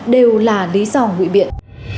đều là lý do ngụy biện